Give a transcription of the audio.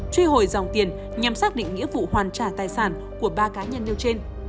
truy hồi dòng tiền nhằm xác định nghĩa vụ hoàn trả tài sản của ba cá nhân nêu trên